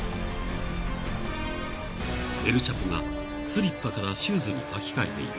［エル・チャポがスリッパからシューズに履き替えている］